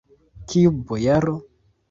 Kiu bojaro?